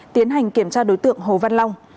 tiến hành kiểm tra đối tượng hồ văn long